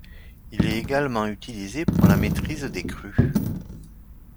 Il est également utilisé pour la maîtrise des crues.